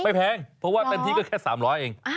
แพงเพราะว่าเต็มที่ก็แค่๓๐๐เอง